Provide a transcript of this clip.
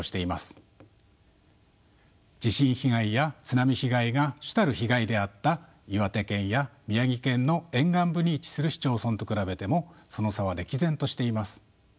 地震被害や津波被害が主たる被害であった岩手県や宮城県の沿岸部に位置する市町村と比べてもその差は歴然としています。